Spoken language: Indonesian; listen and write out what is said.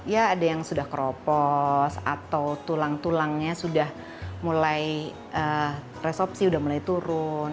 ya ada yang sudah keropos atau tulang tulangnya sudah mulai resopsi sudah mulai turun